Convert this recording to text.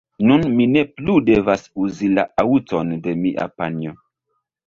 Nun mi ne plu devas uzi la aŭton de mia panjo.